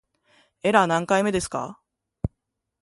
エラー何回目ですか